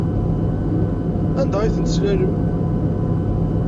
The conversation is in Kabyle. Anda ay ten-teslalemt?